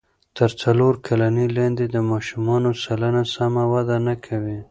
تر څلور کلنۍ لاندې د ماشومانو سلنه سمه وده نه کوي.